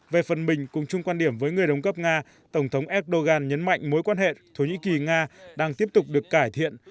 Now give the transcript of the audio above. về phần mình cùng chung quan điểm với người đồng cấp nga tổng thống erdogan nhấn mạnh mối quan hệ thổ nhĩ kỳ nga đang tiếp tục được cải thiện